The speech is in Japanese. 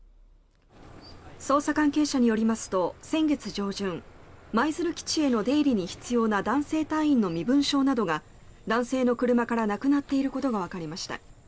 捜査関係者によりますと先月上旬舞鶴基地への出入りに必要な男性隊員の身分証などが男性の車からなくなっていることがわかりました。